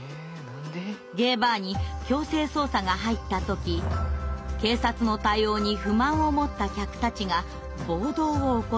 ゲイバーに強制捜査が入った時警察の対応に不満をもった客たちが暴動を起こしたのです。